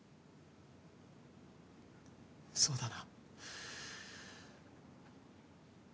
そうだな。